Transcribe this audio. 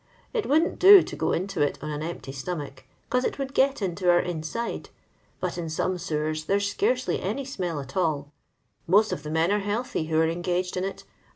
It wouldn't do to go into it on an empty stomach, 'cause it would get into our inside. But in some sewers there 's scarcely any smell at all. Afott of the men are healthy who are engaged in it; and whf.